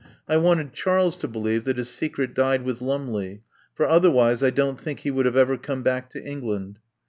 I wanted Charles to believe that his secret died with Lumley, for otherwise I don't think he would have ever come back to England.